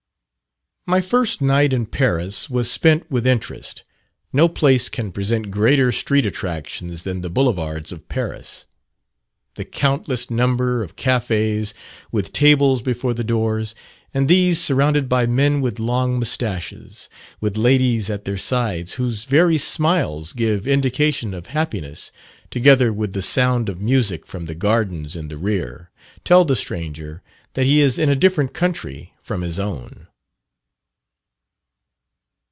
My first night in Paris was spent with interest. No place can present greater street attractions than the Boulevards of Paris. The countless number of cafés, with tables before the doors, and these surrounded by men with long moustaches, with ladies at their sides, whose very smiles give indication of happiness, together with the sound of music from the gardens in the rear, tell the stranger that he is in a different country from his own.